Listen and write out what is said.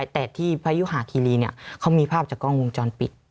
แต่ที่พยุหาคีรีเขามีภาพจากกล้องวงจรปิด